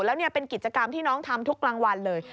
แล้วเป็นกิจกรรมที่น้องทำทุกกลางวันเลย